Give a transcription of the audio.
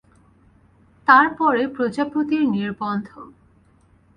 তার পরে প্রজাপতির নির্বন্ধ।